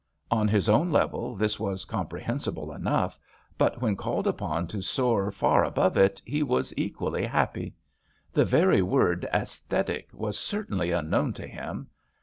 On his own level this was compre hensible enough, but when called upon to soar far above it he was equally happy. The very word "aesthetic" was certainly un known to him.